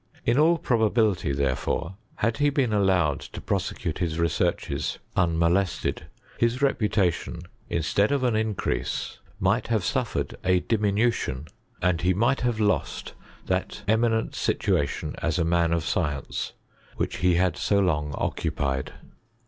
In all probability, therefore, had he been allowed to prosecute his researches «n CHSXISTRY IK GREAT BRITAIN. 25 molested, his Teputation, instead of an increase, might have suffered a diminution, and he might have lost that eminent situation as a man of science which he had so long occupied.